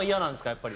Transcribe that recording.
やっぱり。